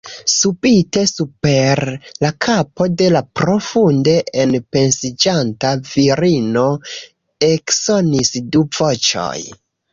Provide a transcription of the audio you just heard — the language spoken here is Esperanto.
Subite super la kapo de la profunde enpensiĝanta virino eksonis du voĉoj.